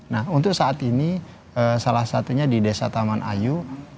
nah untuk saat ini salah satunya di desa taman ayu